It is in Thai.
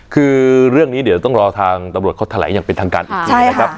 คือเรื่องนี้เดี๋ยวต้องรอทางตำรวจเขาแถลงอย่างเป็นทางการอีกทีนะครับ